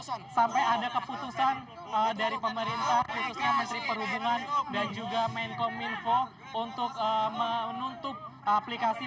atau sampai ada keputusan dari pemerintah khususnya menteri perhubungan dan juga menko minfo untuk menuntuk aplikasi berbasis aplikasi ini